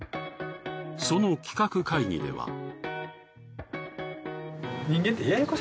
その企画会議では。